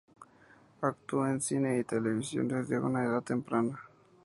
Actuó en cine y televisión desde una edad temprana.